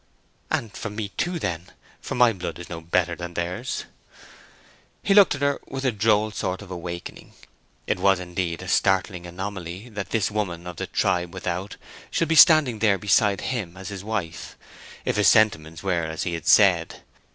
"And from me too, then. For my blood is no better than theirs." He looked at her with a droll sort of awakening. It was, indeed, a startling anomaly that this woman of the tribe without should be standing there beside him as his wife, if his sentiments were as he had said.